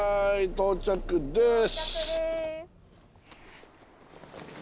到着です。